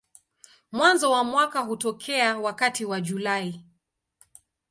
Mwanzo wa mwaka hutokea wakati wa Julai.